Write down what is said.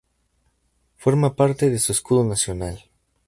Forma parte de su escudo nacional.